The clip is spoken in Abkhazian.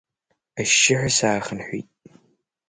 Ашьшьыҳәа саахынҳәит.